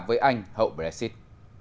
với anh hậu besikt